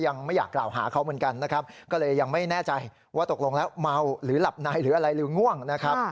ยังไม่อยากกล่าวหาเขาเหมือนกันนะครับก็เลยยังไม่แน่ใจว่าตกลงแล้วเมาหรือหลับในหรืออะไรหรือง่วงนะครับ